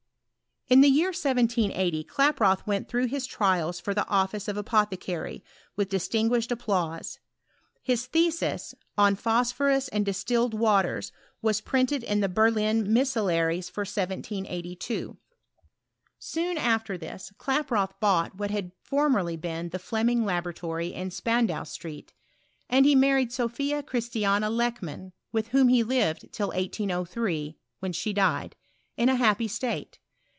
In the year 1780 Klaproth went through his trials for the office of apothecary with distinguished ap planse. His thesis, *^ On Fhosphorus and distilled Waters/' was printed in the Berlin Miscellanies for VOL. II. o 1782. Soon after this, Klaproth bought what had formerly been the Flemmiug laboratory in SpandaU' street : and he married Sophia Christiana Lelcman, with whom he lived till 1803 (when she died) in a happy state.